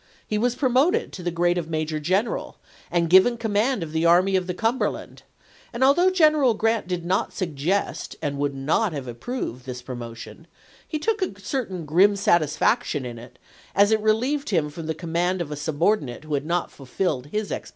He was promoted to the grade of major general, and given command of the Army of the Cumberland; and although General Grant did not suggest, and would not have approved, this promotion, he took a certain grim satisfaction in it, as it relieved him from the command of a subordi nate who had not fulfilled his expectations.